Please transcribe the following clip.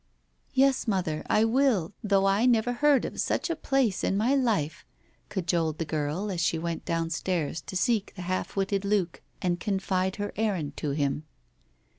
"Yes, mother, I will, though I never heard of such a place in my life !" cajoled the girl as she went down stairs to seek the half witted Luke and confide her errand to him.